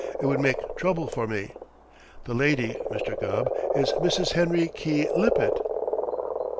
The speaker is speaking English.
"It would make trouble for me. The lady, Mr. Gubb, is Mrs. Henry K. Lippett."